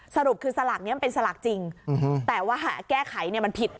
สรุปคือสลากนี้มันเป็นสลากจริงแต่ว่าหากแก้ไขมันผิด